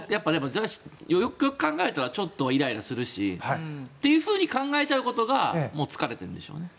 よくよく考えたらちょっとイライラするしっていうふうに考えちゃうこと自体がもう疲れてるんでしょうね。